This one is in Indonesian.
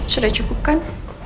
sudah cukup kan